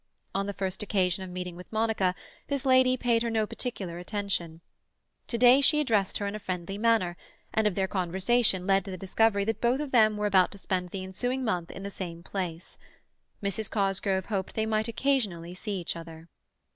On the first occasion of meeting with Monica this lady paid her no particular attention; to day she addressed her in a friendly manner, and their conversation led to the discovery that both of them were about to spend the ensuing month in the same place. Mrs. Cosgrove hoped they might occasionally see each other.